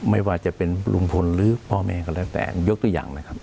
ไม่ว่าจะเป็นลุงพลหรือพ่อแม่ก็แล้วแต่ยกตัวอย่างนะครับ